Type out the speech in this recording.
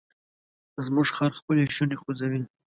زموږ خر خپلې شونډې خوځوي.